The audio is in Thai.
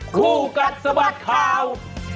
คู่กัดสะบัดข่าว